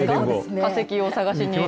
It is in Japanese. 化石を探しに。